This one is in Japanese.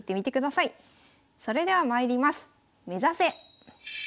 それではまいります。